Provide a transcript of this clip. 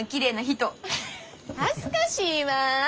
恥ずかしいわあ。